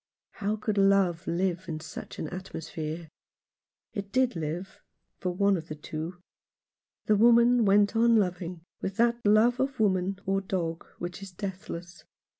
How could love live in such an atmo sphere ? It did live, for one of the two. The woman went on loving with that love of woman or dog which is deathless.